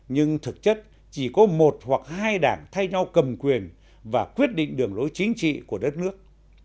nhưng thực chất chỉ có một hoặc hai đảng thay nhau cầm quyền và quyết định đường lối chính trị của đất nước